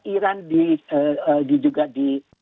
iran di juga di